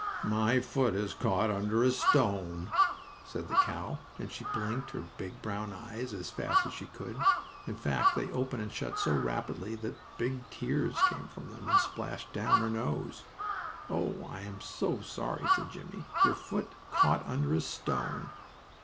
"My foot is caught under a stone," said the cow, and she blinked her big brown eyes as fast as she could. In fact, they opened and shut so rapidly that big tears came from them, and splashed down her nose. "Oh! I am so sorry!" cried Jimmie. "Your foot caught under a stone!"